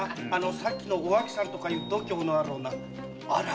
さっきのおあきさんとかいう度胸のある女ありゃ